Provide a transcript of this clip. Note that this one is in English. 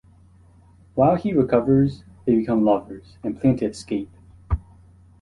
While he recovers, they become lovers, and plan to escape.